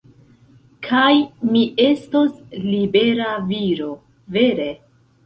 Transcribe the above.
Kaj... mi estos libera viro, vere.